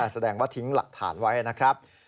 แสดงว่าทิ้งหลักฐานไว้นะครับ